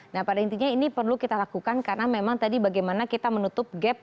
nah pada intinya ini perlu kita lakukan karena memang tadi bagaimana kita menutup gap